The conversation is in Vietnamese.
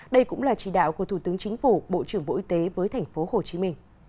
đây cũng là chỉ đạo của thủ tướng chính phủ bộ trưởng bộ y tế với tp hcm